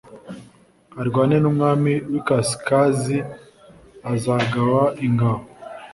arwane n umwami w ikasikazi azagaba ingabo